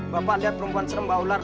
bapak lihat perempuan serem bau ular